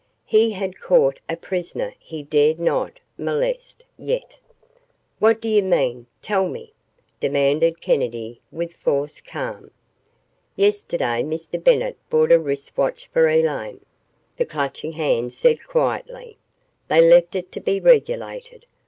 He had caught a prisoner he dared not molest yet. "What do you mean tell me?" demanded Kennedy with forced calm. "Yesterday Mr. Bennett bought a wrist watch for Elaine," the Clutching Hand said quietly. "They left it to be regulated.